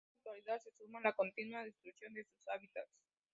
Además en la actualidad se suma la continua destrucción de sus hábitats.